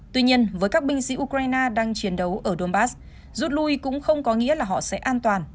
tuy nhiên với các binh sĩ ukraine đang chiến đấu ở dombass rút lui cũng không có nghĩa là họ sẽ an toàn